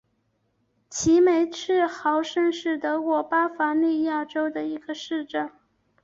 齐梅茨豪森是德国巴伐利亚州的一个市镇。